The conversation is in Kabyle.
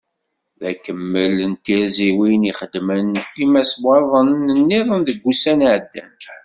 D akemmel n tirziwin i xedmen yimaswaḍen-nniḍen deg wussan iɛeddan.